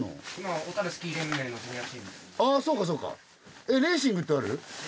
あそうかそうかレーシングってある？